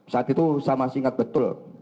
saat itu saya masih ingat betul